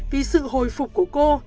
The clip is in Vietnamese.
vì sự hồi phục của cô